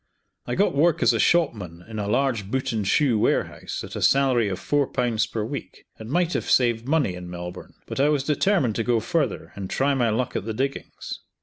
I got work as a shopman in a large boot and shoe warehouse at a salary of four pounds per week, and might have saved money in Melbourne, but I was determined to go further and try my luck at the diggings.